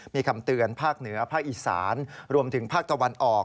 มีคำเตือนภาคเหนือภาคอีสานรวมถึงภาคตะวันออก